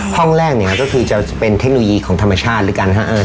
ห้องแรกเนี่ยฮ่คือถึงจะเป็นเทคโนโลยีของธรรมชาติเหรอครับ